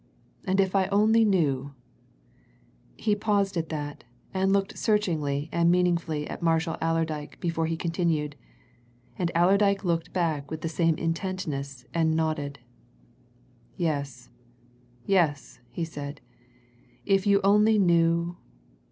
And if I only knew " He paused at that, and looked searchingly and meaningly at Marshall Allerdyke before he continued. And Allerdyke looked back with the same intentness and nodded. "Yes yes!" he said. "If you only knew